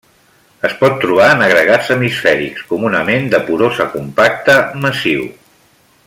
Es pot trobar en agregats hemisfèrics; comunament de porós a compacte, massiu.